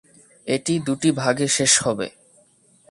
এটি দুটি ভাগে শেষ হবে।